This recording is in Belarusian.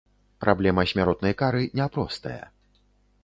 Праблема смяротнай кары няпростая.